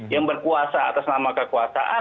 yang berkuasa atas nama kekuasaan